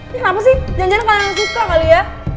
kenapa sih jangan jangan kalian suka kali ya